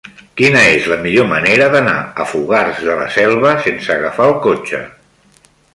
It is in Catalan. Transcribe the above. Quina és la millor manera d'anar a Fogars de la Selva sense agafar el cotxe?